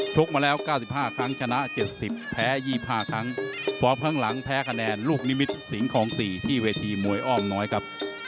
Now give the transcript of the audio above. กมาแล้ว๙๕ครั้งชนะ๗๐แพ้๒๕ครั้งฟอร์มข้างหลังแพ้คะแนนลูกนิมิตสิงคลอง๔ที่เวทีมวยอ้อมน้อยครับ